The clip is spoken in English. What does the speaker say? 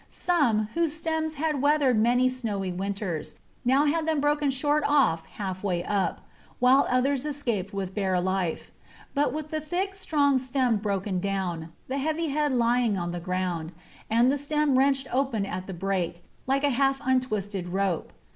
Some, whose stems had weathered many snowy winters, now had them broken short off half way up; while others escaped with bare life, but with the thick, strong stem broken down, the heavy head lying on the ground, and the stem wrenched open at the break, like a half untwisted rope.